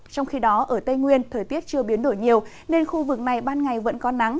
trong khi đó ở tây nguyên thời tiết chưa biến đổi nhiều nên khu vực này ban ngày vẫn có nắng